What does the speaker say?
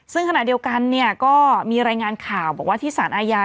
ซึ่งขณะเดียวกันเนี่ยก็มีรายงานข่าวบอกว่าที่สารอาญา